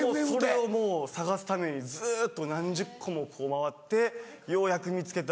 それをもう探すためにずっと何十個も回ってようやく見つけた。